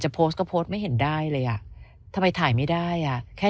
โพสต์ก็โพสต์ไม่เห็นได้เลยอ่ะทำไมถ่ายไม่ได้อ่ะแค่